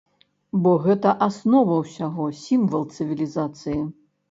Бо гэта аснова ўсяго, сімвал цывілізацыі.